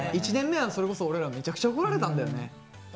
１年目はそれこそ俺らめちゃくちゃ怒られたんだよね。